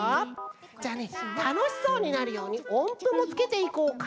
じゃあねたのしそうになるようにおんぷもつけていこうかな。